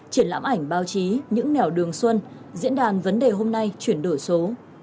triển lãm ảnh báo chí những nẻo đường xuân diễn đàn vấn đề hôm nay chuyển đổi số